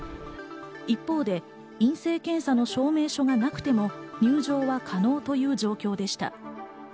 一方で陰性検査の証明がなくても入場は可能という状況でした。